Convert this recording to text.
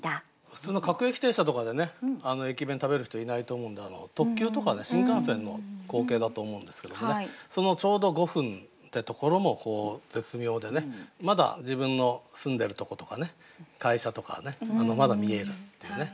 普通の各駅停車とかでね駅弁食べる人はいないと思うんで特急とか新幹線の光景だと思うんですけどもねそのちょうど「五分」ってところもこう絶妙でねまだ自分の住んでるとことか会社とかねまだ見えるっていうね。